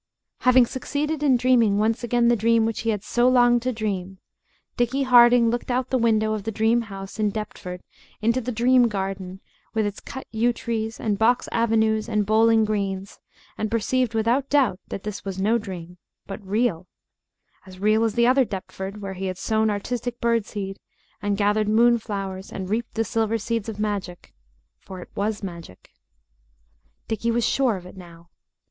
Having succeeded in dreaming once again the dream which he had so longed to dream, Dickie Harding looked out of the window of the dream house in Deptford into the dream garden with its cut yew trees and box avenues and bowling greens, and perceived without doubt that this was no dream, but real as real as the other Deptford where he had sown Artistic Bird Seed and gathered moonflowers and reaped the silver seeds of magic, for it was magic. Dickie was sure of it now.